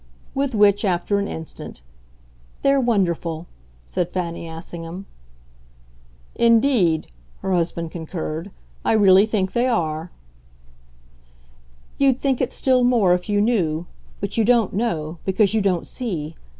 With which, after an instant, "They're wonderful," said Fanny Assingham. "Indeed," her husband concurred, "I really think they are." "You'd think it still more if you knew. But you don't know because you don't see.